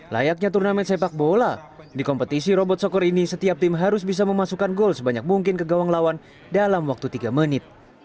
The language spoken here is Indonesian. layaknya turnamen sepak bola di kompetisi robot sokor ini setiap tim harus bisa memasukkan gol sebanyak mungkin ke gawang lawan dalam waktu tiga menit